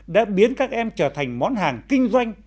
đã biến các em trở thành món hàng kinh doanh